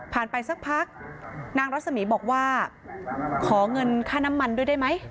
ไปสักพักนางรัศมีบอกว่าขอเงินค่าน้ำมันด้วยได้ไหม